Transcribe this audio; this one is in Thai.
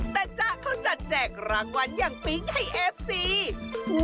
แต่จ๊ะเขาจัดแจกรางวัลอย่างปิ๊งให้เอฟซี